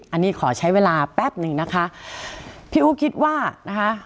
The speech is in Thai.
อันนี้ขอใช้เวลาแป๊บหนึ่งนะคะพี่อู๋คิดว่านะคะ